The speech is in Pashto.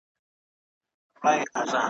د تيارو سي ورته مخ د ورځو شا سي `